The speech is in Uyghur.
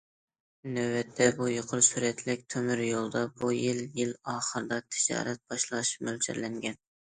نۆۋەتتە، بۇ يۇقىرى سۈرئەتلىك تۆمۈريولدا بۇ يىل يىل ئاخىرىدا تىجارەت باشلاش مۆلچەرلەنگەن.